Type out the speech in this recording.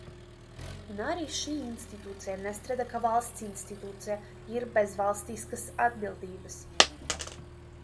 Un arī šī institūcija nestrādā kā valsts institūcija, ir bez valstiskas atbildības.